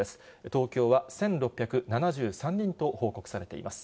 東京は１６７３人と報告されています。